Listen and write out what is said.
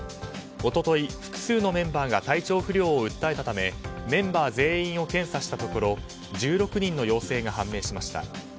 一昨日、複数のメンバーが体調不良を訴えたためメンバー全員を検査したところ１６人の陽性が判明しました。